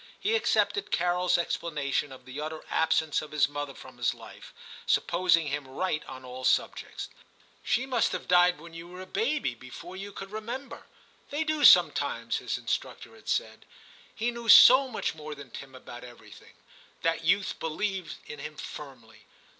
He accepted CaroFs explanation of the utter absence of his mother from his life, supposing him right on all subjects. * She must have died when you were a baby, before you could remember ; they do sometimes,' his instructor had said ; he knew so much more than Tim about everything. That youth believed in him firmly.